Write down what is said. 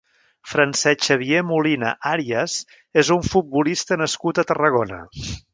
Francesc Xavier Molina Arias és un futbolista nascut a Tarragona.